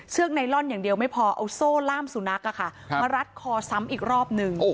ไนลอนอย่างเดียวไม่พอเอาโซ่ล่ามสุนัขมารัดคอซ้ำอีกรอบนึง